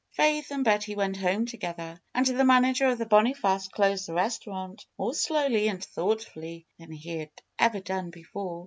Faith and Betty went home together. And the man ager of the Boniface closed the restaurant more slowly and thoughtfully than he had ever done before.